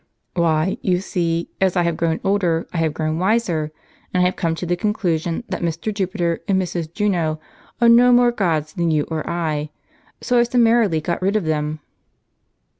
" Why, you see, as I have grown older, I have grown wiser ! and I have come to the conclusion that Mr. Jupiter and Mrs. Juno are no more gods than you or I ; so I summarily got rid of them."